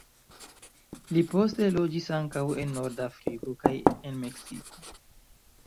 Li poste loĝis ankaŭ en norda Afriko kaj en Meksiko.